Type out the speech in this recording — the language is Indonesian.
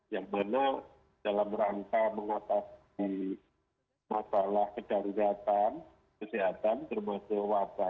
yang mana dalam rangka mengotasi masalah kedarugatan kesehatan terbatas wabah